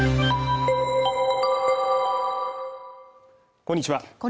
こんにちは